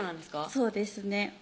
そうですね